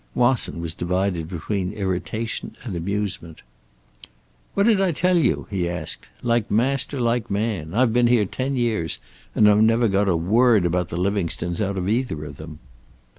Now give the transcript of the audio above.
Wasson was divided between irritation and amusement. "What'd I tell you?" he asked. "Like master like man. I've been here ten years, and I've never got a word about the Livingstones out of either of them."